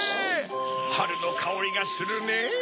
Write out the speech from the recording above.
はるのかおりがするねぇ。